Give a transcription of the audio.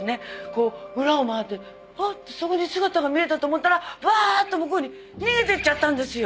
こう裏を回ってパッてそこに姿が見えたと思ったらブワーっと向こうに逃げてっちゃったんですよ。